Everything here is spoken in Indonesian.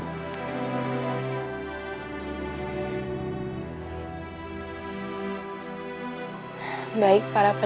terima kasih banyak juga